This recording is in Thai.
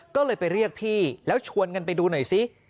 ก็เลยไปเรียกพี่แล้วชวนกันไปดูหน่อยซิ